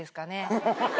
ハハハハ！